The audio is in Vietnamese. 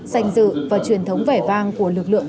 danh dự và truyền thống vẻ vang của lực lượng